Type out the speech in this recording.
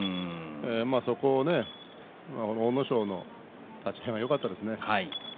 そこを阿武咲の立ち合いがよかったですね。